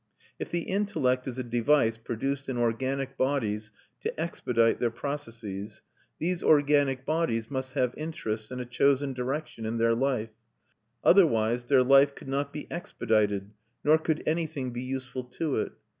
If the intellect is a device produced in organic bodies to expedite their processes, these organic bodies must have interests and a chosen direction in their life; otherwise their life could not be expedited, nor could anything be useful to it.